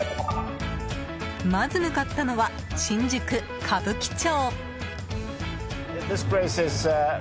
まず向かったのは新宿・歌舞伎町。